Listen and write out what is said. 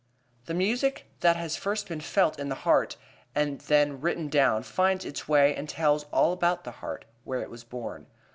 The music that has first been felt in the heart and then written down finds its way and tells all about the heart, where it was born.